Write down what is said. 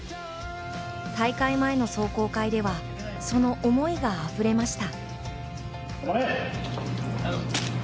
大会前の壮行会では、その思いがあふれました。